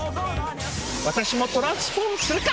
私もトランスフォームするか。